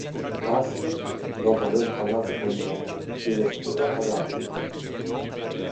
Pacey, dopo aver parlato con Jack, chiede scusa ad Andie.